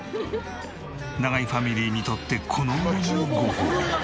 永井ファミリーにとってこの上ないごほうび。